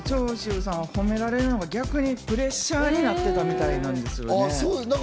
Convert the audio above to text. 長州さんは褒められるのが逆にプレッシャーになってたみたいですね。